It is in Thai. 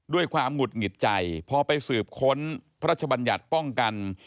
หงุดหงิดใจพอไปสืบค้นพระราชบัญญัติป้องกัน